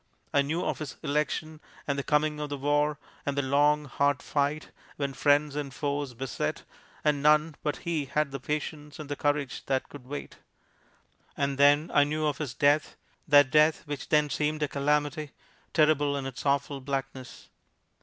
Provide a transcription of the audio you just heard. I knew of his election, and the coming of the war, and the long, hard fight, when friends and foes beset, and none but he had the patience and the courage that could wait. And then I knew of his death, that death which then seemed a calamity terrible in its awful blackness.